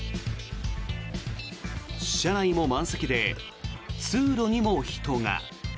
車内も満席で、通路にも人が。